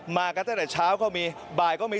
มากันตั้งแต่เช้าก็มีบ่ายก็มี